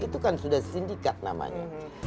itu kan sudah sindikat namanya